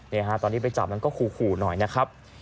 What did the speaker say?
ตอนที่ไปจับมันก็ขู่หน่อยนะครับ